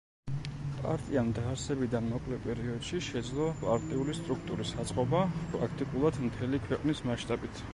პარტიამ დაარსებიდან მოკლე პერიოდში შეძლო პარტიული სტრუქტურის აწყობა, პრაქტიკულად, მთელი ქვეყნის მასშტაბით.